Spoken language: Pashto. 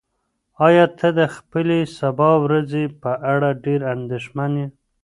ایا ته د خپلې سبا ورځې په اړه ډېر اندېښمن یې؟